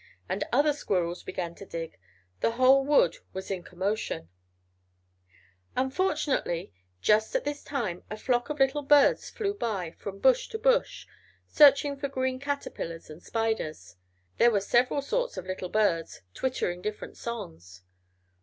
And other squirrels began to dig, the whole wood was in commotion! Unfortunately, just at this time a flock of little birds flew by, from bush to bush, searching for green caterpillars and spiders. There were several sorts of little birds, twittering different songs.